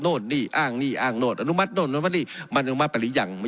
โน่นนี่อ้างนี่อ้างโน่นอนุมัติอนุมัติอนุมัติอนุมัติอนุมัติ